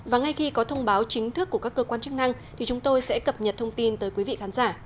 và ngay khi có thông báo chính thức của các cơ quan chức năng thì chúng tôi sẽ cập nhật thông tin tới quý vị khán giả